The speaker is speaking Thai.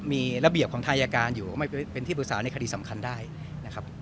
มีระเบียบของทางอายการอยู่ไม่เป็นที่ปรึกษาในคดีสำคัญได้นะครับ